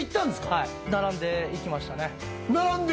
はい並んで行きましたね並んで？